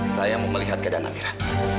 saya mau melihat keadaan amirah